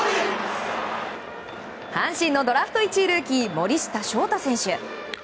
阪神のドラフト１位ルーキー森下翔太選手。